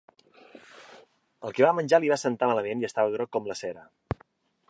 El que va menjar li va sentar malament i estava groc com la cera.